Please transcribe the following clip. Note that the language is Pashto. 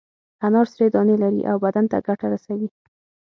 انار سرې دانې لري او بدن ته ګټه رسوي.